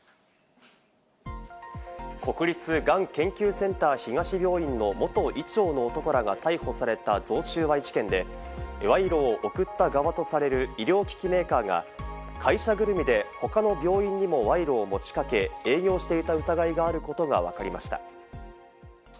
国立がん研究センター東病院の元医長の男らが逮捕された贈収賄事件で、賄賂を贈った側とされる医療機器メーカーが、会社ぐるみで他の病院にも賄賂を持ちかけ営業していた疑いがあることがわかりました。